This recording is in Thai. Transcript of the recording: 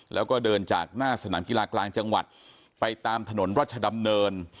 แล้วก็เดินจากหน้าสนามกีฬากลางจังหวัดไปตามถนนรัชดำเนิน